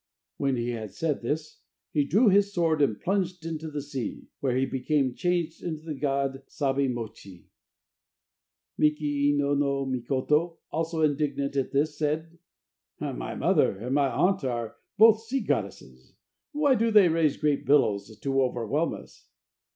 When he had said this, he drew his sword and plunged into the sea, where he became changed into the god Sabi Mochi. Miki In no no Mikoto, also indignant at this, said: "My mother and my aunt are both sea goddesses; why do they raise great billows to overwhelm us?"